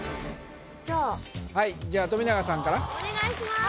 じゃあはいじゃあ富永さんかな・お願いします